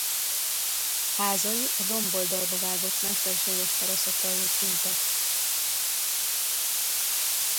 Házai a domboldalba vágott mesterséges teraszokra épültek.